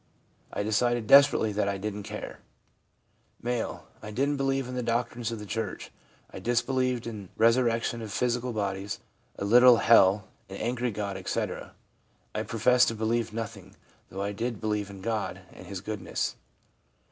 I decided desperately that I didn't care.' M. ' I didn't believe in the doctrines of the church. I disbelieved in resurrection of physical bodies, a literal hell, an angry God, etc. I professed to believe nothing, though I did believe in God and His goodness.'